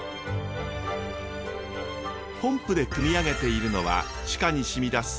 ポンプでくみ上げているのは地下にしみ出す